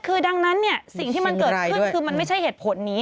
คือดังนั้นเนี่ยสิ่งที่มันเกิดขึ้นคือมันไม่ใช่เหตุผลนี้